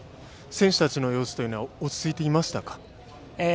選手たちの様子というのは落ち着いていましたか。